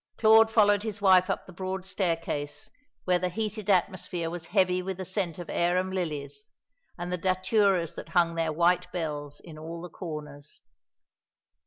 Claude followed his wife up the broad staircase, where the heated atmosphere was heavy with the scent of arum lilies, and the daturas that hung their white bells in all the corners.